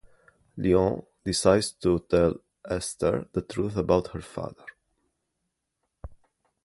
Lyon decides to tell Esther the truth about her father.